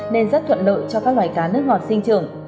nên rất thuận lợi cho các loài cá nước ngọt sinh trường